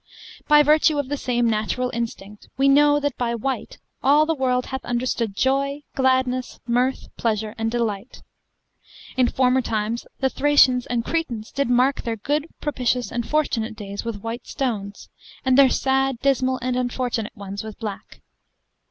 By virtue of the same natural instinct we know that by white all the world hath understood joy, gladness, mirth, pleasure, and delight. In former times the Thracians and Cretans did mark their good, propitious, and fortunate days with white stones, and their sad, dismal, and unfortunate ones with black.